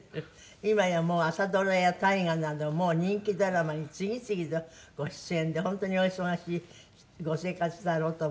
今やもう朝ドラや大河など人気ドラマに次々とご出演で本当にお忙しいご生活だろうと思いますけども。